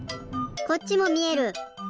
こっちもみえる！